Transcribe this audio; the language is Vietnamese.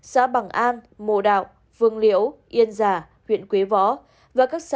xã bằng an mồ đạo phương liễu yên già huyện quế võ